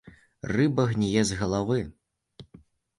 Рыба гніе з галавы.